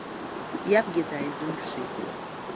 Иабгьы дааизымԥшит.